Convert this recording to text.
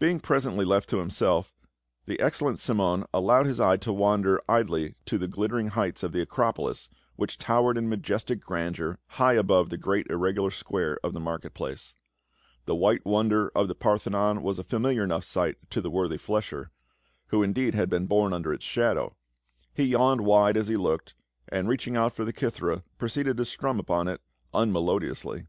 332 PA UL. Being presently left to himself, the excellent Cimon allowed his eye to wander idly to the glittering heights of the Acropolis, which towered in majestic grandeur high above the great irregular square of the market place. The white wonder of the Parthenon was a familiar enough sight to the worthy flesher, who in deed had been born under its shadow ; he yawned wide as he looked, and reaching out for the kithera proceeded to strum upon it unmelodiously.